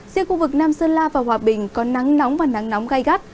riêng khu vực nam sơn la và hòa bình có nắng nóng và nắng nóng gai gắt